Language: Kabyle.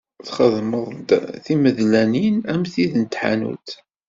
Texdem-d timadlanin am tid n tḥanut.